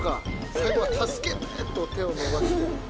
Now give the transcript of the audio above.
最後は助けてと手を伸ばして。